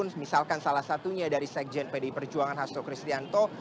misalkan salah satunya dari sekjen pdi perjuangan hasto kristianto